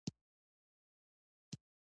مترادف ويونه يوه غني کوونکې پدیده